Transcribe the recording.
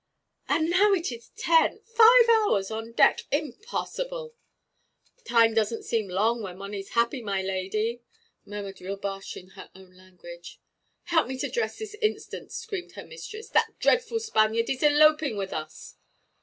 'And now it is ten. Five hours on deck impossible!' 'Time doesn't seem long when one is happy, my lady,' murmured Rilboche, in her own language. 'Help me to dress this instant,' screamed her mistress: 'that dreadful Spaniard is eloping with us.'